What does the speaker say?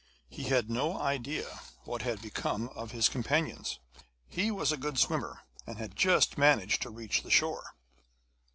He had no idea what had become of his companions. He was a good swimmer, and had just managed to reach the shore.